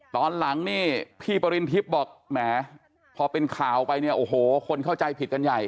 ตอนหลังนี่พี่ปริณทิพย์บอกแหมพอเป็นข่าวไปเนี่ยโอ้โหคนเข้าใจผิดกันใหญ่